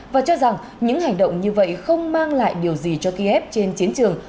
và cho rằng những hành động như vậy không mang lại điều gì cho kiev trên chiến trường